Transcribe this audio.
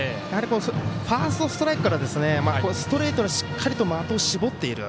ファーストストライクからストレートにしっかりと的を絞っている。